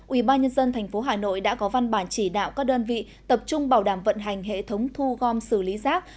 ủy ban nhân dân thành phố hà nội đã có văn bản chỉ đạo các đơn vị tập trung bảo đảm vận hành hệ thống thu gom xử lý rác